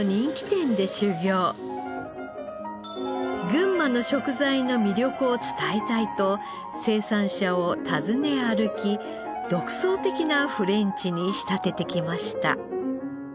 群馬の食材の魅力を伝えたいと生産者を訪ね歩き独創的なフレンチに仕立ててきました。